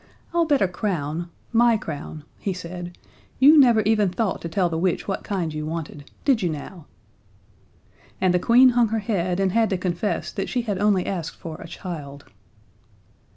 I'll bet a crown my crown," he said, "you never even thought to tell the witch what kind you wanted! Did you now?" And the Queen hung her head and had to confess that she had only asked for a child.